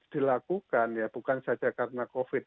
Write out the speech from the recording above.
dilakukan ya bukan saja karena covid